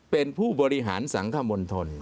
เป็นผู้บริหารสังฆราชมนธน